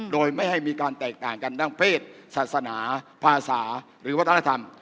โดยไม่ให้มีการแตกต่างกันด้านเพศศาสนาภาษาหรือวัฒนธรรม